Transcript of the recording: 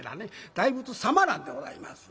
「大仏様」なんでございますよ。